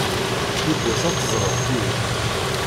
Yiwwas ad teẓreḍ tidet.